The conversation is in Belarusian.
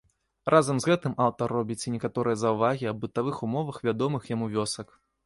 Разам з гэтым аўтар робіць і некаторыя заўвагі аб бытавых умовах вядомых яму вёсак.